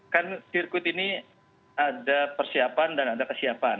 kan sirkuit ini ada persiapan dan ada kesiapan